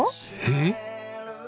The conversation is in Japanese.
えっ？